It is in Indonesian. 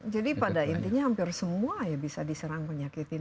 jadi pada intinya hampir semua ya bisa diserang penyakit ini ya